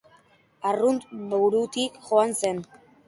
Arrunt burutik joan zen.